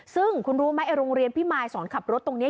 ซึ่งคุณรู้ไหมไอโรงเรียนพิมายสอนขับรถตรงนี้